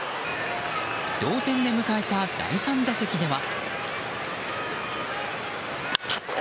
同点で迎えた第３打席では。